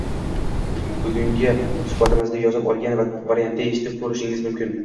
Bugungi suhbatimizni yozib olingan variantda eshitib koʻrishingiz mumkin.